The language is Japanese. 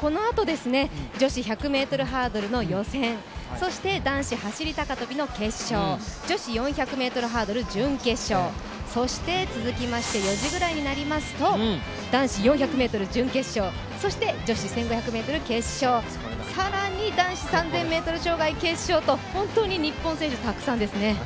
このあと、女子１００ｍハードルの予選そして男子走高跳の決勝、女子４００ｍハードル準決勝、そして続きまして４時ぐらいになりますと、男子４００ｍ準決勝そして女子１５００ｍ決勝更に男子３０００ｍ障害決勝と本当に日本選手たくさんですね。